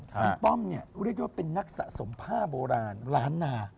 คุณป้อมเนี่ยเรียกได้ว่าเป็นนักสะสมผ้าโบราณล้านนา